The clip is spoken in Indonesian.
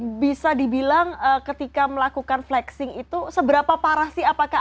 tapi apakah bisa dibilang begitu ketika melakukan flexing itu seberapa parah sih apakah ada kondisi kesehatan tertentu